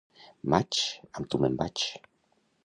Maig, amb tu me'n vaig.